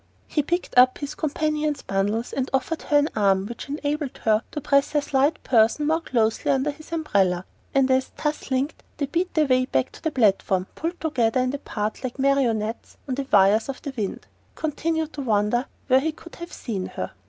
He picked up his companion's bundles, and offered her an arm which enabled her to press her slight person more closely under his umbrella; and as, thus linked, they beat their way back to the platform, pulled together and apart like marionettes on the wires of the wind, he continued to wonder where he could have seen her.